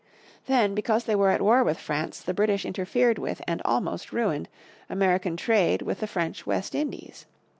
Then, because they were at war with France, the British interfered with, and almost ruined, American trade with the French West Indies.